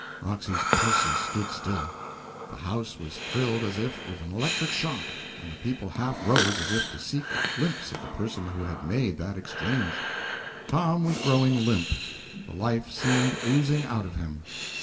Roxy's pulses stood still! The house was thrilled as with an electric shock, and the people half rose as if to seek a glimpse of the person who had made that exchange. Tom was growing limp; the life seemed oozing out of him.